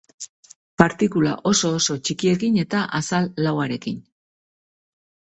Partikula oso-oso txikiekin eta azal lauarekin.